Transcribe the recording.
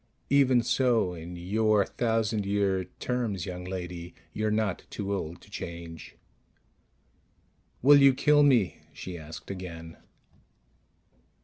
Even so, in your thousand year terms, young lady, you're not too old to change._ "Will you kill me?" she asked again.